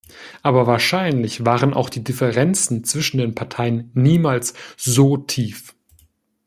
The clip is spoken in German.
Aber wahrscheinlich waren auch die Differenzen zwischen den Parteien niemals so tief.